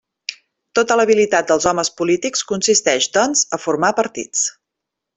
Tota l'habilitat dels homes polítics consisteix, doncs, a formar partits.